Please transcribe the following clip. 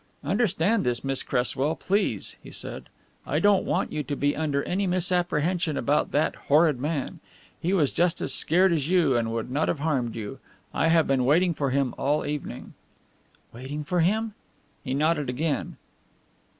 "Understand this, Miss Cresswell, please," he said: "I don't want you to be under any misapprehension about that 'horrid man' he was just as scared as you, and he would not have harmed you. I have been waiting for him all the evening." "Waiting for him?" He nodded again.